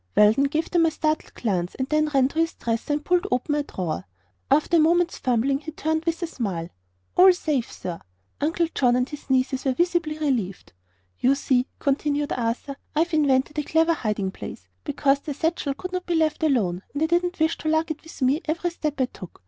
Weldon gave them a startled glance and then ran to his dresser and pulled open a drawer. After a moment's fumbling he turned with a smile. "All safe, sir." Uncle John and his nieces were visibly relieved. "You see," continued Arthur, "I've invented a clever hiding place, because the satchel could not be left alone and I didn't wish to lug it with me every step I took.